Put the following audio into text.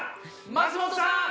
松本さん。